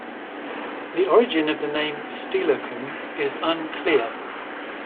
The origin of the name "Steilacoom" is unclear.